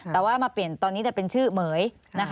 แต่ว่ามาเปลี่ยนตอนนี้แต่เป็นชื่อเหม๋ยนะคะ